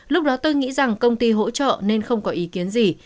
lúc đó tôi nghĩ rằng công ty hỗ trợ nên không có ý kiến gì